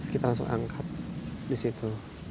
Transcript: kita langsung angkat di situ